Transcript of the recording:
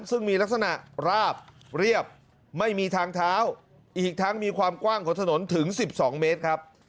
ซึ่งมีลักษณะราบเรียบไม่มีทางเท้าอีกทั้งมีความกว้างของถนนถึง๑๒เมตรครับ